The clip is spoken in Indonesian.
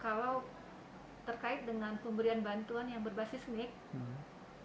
kalau terkait dengan pemberian bantuan yang berbasis mic